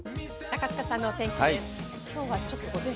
高塚さんのお天気です。